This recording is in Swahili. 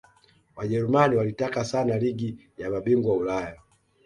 Wajerumani walitaka sana ligi ya mabingwa Ulaya